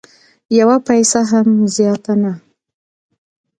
یوه پیسه هم زیاته نه